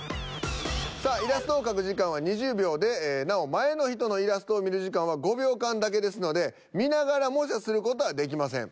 さあイラストを描く時間は２０秒でなお前の人のイラストを見る時間は５秒間だけですので見ながら模写する事はできません。